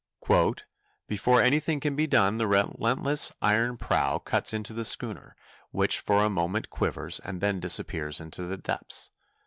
"Before anything can be done the relentless iron prow cuts into the schooner, which for a moment quivers and then disappears into the depths....